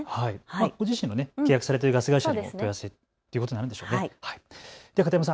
ご自身で契約されているガス会社に確認されてということになるんですかね。